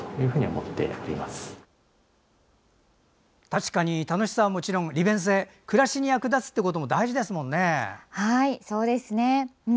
確かに楽しさはもちろん利便性、暮らしに役立つってことも大事ですもんね。